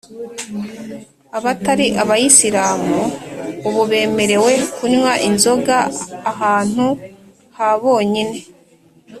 Abatari abayisilamu ubu bemerewe kunywa inzoga ahantu ha bonyine